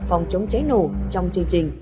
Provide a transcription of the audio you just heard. phòng chống cháy nổ trong chương trình